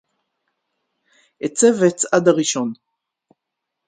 אֵצֵא וְאֶצְעַד הָרִאשׁוֹן